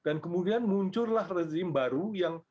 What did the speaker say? dan kemudian muncullah azim baru yang